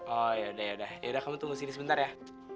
oh yaudah yaudah kamu tunggu sini sebentar ya